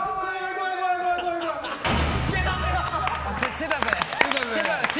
チェだぜ！